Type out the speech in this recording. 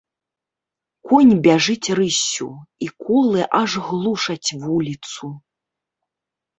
Конь бяжыць рыссю, і колы аж глушаць вуліцу.